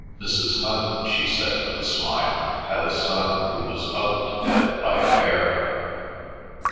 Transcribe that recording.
Mrs. Hunt," she said with a smile, "had a son who was hugged to death by a bear."